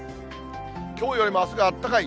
きょうよりもあすがあったかい。